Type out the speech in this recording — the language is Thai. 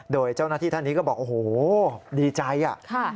โดยเจ้าหน้าที่ท่านนี้ก็บอกโอ้โหดีใจอ่ะ